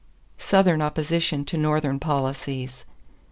=Southern Opposition to Northern Policies.